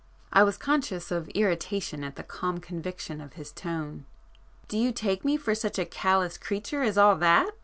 I was conscious of irritation at the calm conviction of his tone. "Do you take me for such a callous creature as all that?"